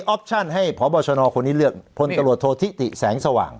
ออปชั่นให้พบชนคนนี้เลือกพตทตแสงสว่าง